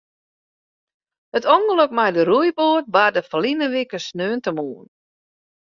It ûngelok mei de roeiboat barde ferline wike sneontemoarn.